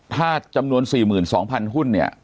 ถ้าจำนวน๔๒๐๐หุ้นเนี่ย